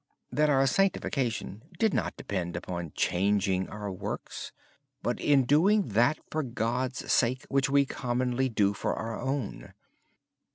Our sanctification did not depend upon changing our works. Instead, it depended on doing that for God's sake which we commonly do for our own.